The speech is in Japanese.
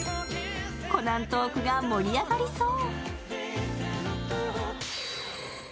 コナントークが盛り上がりそう。